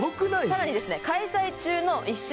さらにですね